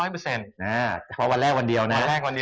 เพราะวันแรกวันเดียวนะครับ